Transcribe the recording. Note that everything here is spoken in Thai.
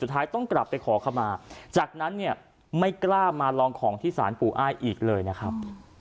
ต้องกลับไปขอขมาจากนั้นเนี่ยไม่กล้ามาลองของที่สารปู่อ้ายอีกเลยนะครับ